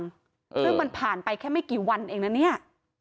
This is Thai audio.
ซึ่งมันผ่านไปแค่ไม่กี่วันเองนะเนี่ย